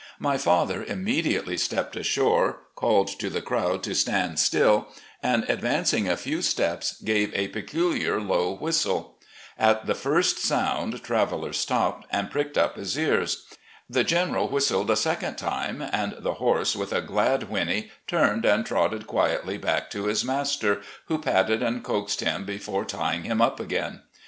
My father immediately stepped ashore, called to the crowd to stand still, and advancing a few steps gave a peculiar low whistle. At the first sotmd, Traveller stopped and pricked up his ears. The General whistled a second time, and the horse with a glad whinny turned and trotted quietly back to his master, who patted and coaxed him before tying him up again.